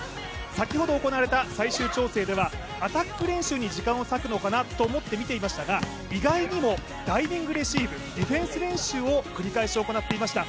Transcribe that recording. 先ほど行われた最終調整ではアタック練習に時間を割くのかなと思って見ていましたが意外にも、ダイビングレシーブディフェンス練習を繰り返し行っていました。